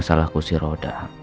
masalah kursi roda